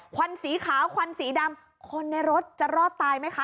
วันสีขาวควันสีดำคนในรถจะรอดตายไหมคะ